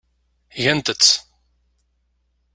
Gant-tt.